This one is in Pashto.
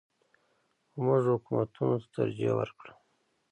خو موږ حکومتونو ته ترجیح ورکړه.